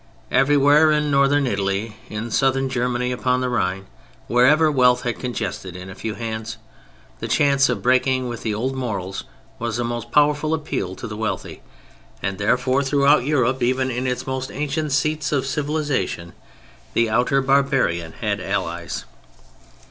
Everywhere in Northern Italy, in Southern Germany, upon the Rhine, wherever wealth had congested in a few hands, the chance of breaking with the old morals was a powerful appeal to the wealthy; and, therefore, throughout Europe, even in its most ancient seats of civilization, the outer barbarian had allies.